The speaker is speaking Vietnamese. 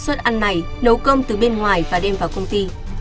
xuất ăn này nấu cơm từ bên ngoài và đem vào công ty